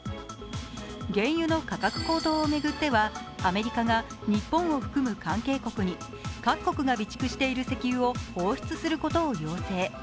原油の価格高騰を巡っては、アメリカが日本を含む関係国に各国が備蓄している石油を放出することを要請。